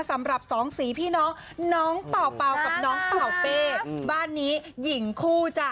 สำหรับสองสีพี่น้องน้องเป่าเป่ากับน้องเป่าเป้บ้านนี้หญิงคู่จ้ะ